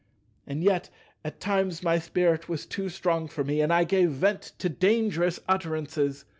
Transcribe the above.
And yet at times my spirit was too strong for me, and I gave vent to dangerous utterances.